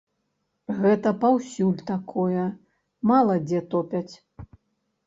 Гэта паўсюль такое, мала дзе топяць.